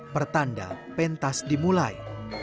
pertanda pentas dimulai